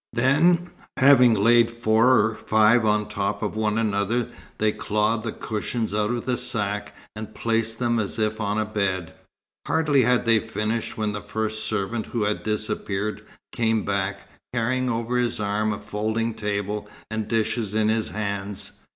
Then, having laid four or five on top of one another, they clawed the cushions out of the sack, and placed them as if on a bed. Hardly had they finished, when the first servant who had disappeared came back, carrying over his arm a folding table, and dishes in his hands.